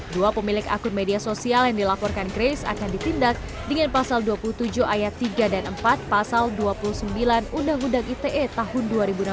dua pemilik akun media sosial yang dilaporkan grace akan ditindak dengan pasal dua puluh tujuh ayat tiga dan empat pasal dua puluh sembilan undang undang ite tahun dua ribu enam belas